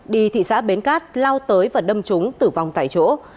đi thị xã bến cát lao tới và đâm trúng tử vong tại chỗ